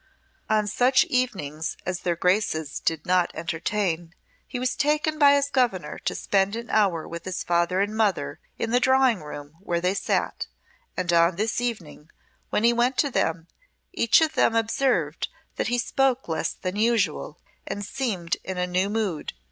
On such evenings as their Graces did not entertain, he was taken by his governour to spend an hour with his father and mother in the withdrawing room, where they sat, and on this evening, when he went to them, each of them observed that he spoke less than usual and seemed in a new mood.